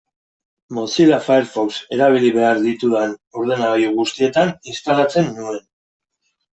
Mozilla Firefox erabili behar ditudan ordenagailu guztietan instalatzen nuen.